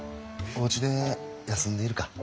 おうちで休んでいるか？